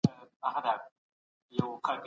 ولې په سياست کي ايډيالوژي دومره ډېر ارزښت لري؟